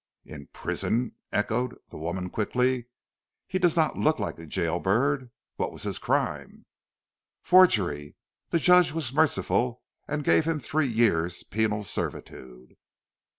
"In prison?" echoed the woman quickly. "He does not look like a gaol bird. What was the crime?" "Forgery! The judge was merciful and gave him three years' penal servitude."